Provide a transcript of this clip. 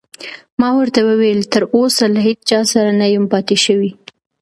ما ورته وویل: تراوسه له هیڅ چا سره نه یم پاتې شوی.